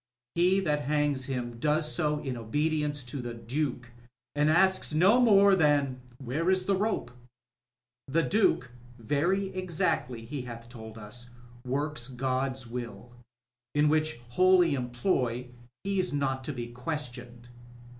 He that hangs him does so in obedience to the Dtike, and asks no more than * Where is the rope ?" The Duke, very exactly he hath told us, works God's will, in which holy employ he's not to be questioned.